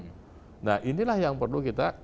nah inilah yang perlu kita